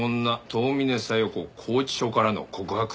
遠峰小夜子拘置所からの告白」ねえ。